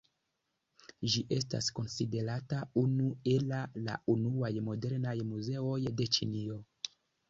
Ĝi estas konsiderata unu ela la unuaj modernaj muzeoj de Ĉinio.